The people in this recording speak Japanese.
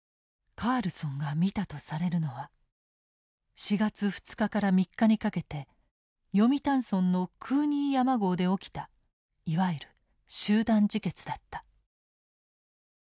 カールソンが見たとされるのは４月２日から３日にかけて読谷村のクーニー山壕で起きたいわゆる集団自決だった。